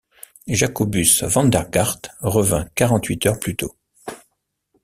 Jacobus Vandergaart revint quarante-huit heures plus tôt.